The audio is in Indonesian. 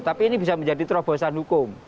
tapi ini bisa menjadi terobosan hukum